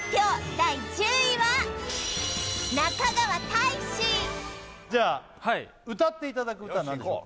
第１０位はじゃ歌っていただく歌は何でしょうか？